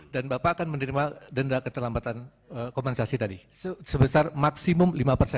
dan bapak akan menerima denda keterlambatan kompensasi tadi sebesar maksimum lima